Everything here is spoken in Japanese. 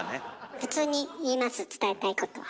普通に言います伝えたいことは。